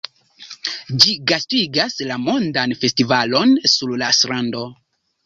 Ĝi gastigas la Mondan Festivalon sur la Strando.